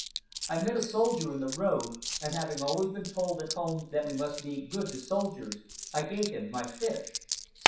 I met a soldier in the road, and having always been told at home that we must be good to soldiers, I gave him my fish."